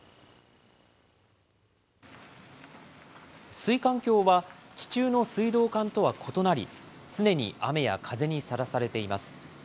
水管橋は、地中の水道管とは異なり、常に雨や風にさらされています。